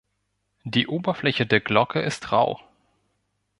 Die Oberfläche der Glocke ist rau.